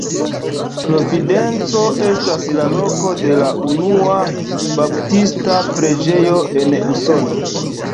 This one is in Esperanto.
Providenco estas la loko de la unua baptista preĝejo en Usono.